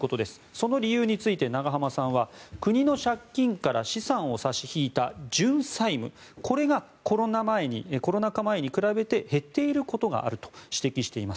その理由について永濱さんは国の借金から資産を差し引いた純債務これがコロナ禍前に比べて減っていることがあると指摘しています。